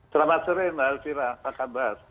selamat sore mbak elvira apa kabar